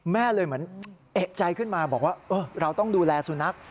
แม่เลยเหมือนเอกใจขึ้นมาบอกว่าเราต้องดูแลสุนัข